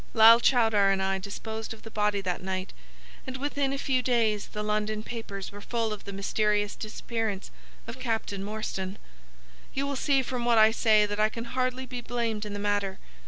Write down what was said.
Lal Chowdar and I disposed of the body that night, and within a few days the London papers were full of the mysterious disappearance of Captain Morstan. You will see from what I say that I can hardly be blamed in the matter.